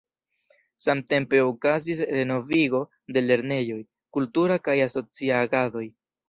Samtempe okazis renovigo de lernejoj, kultura kaj asocia agadoj.